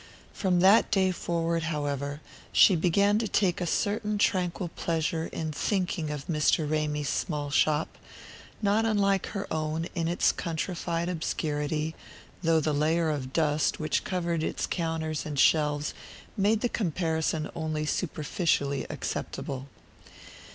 From that day forward, however, she began to take a certain tranquil pleasure in thinking of Mr. Ramy's small shop, not unlike her own in its countrified obscurity, though the layer of dust which covered its counter and shelves made the comparison only superficially acceptable.